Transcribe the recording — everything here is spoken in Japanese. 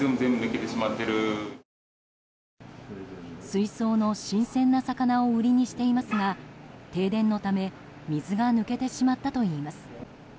水槽の新鮮な魚を売りにしていますが停電のため水が抜けてしまったといいます。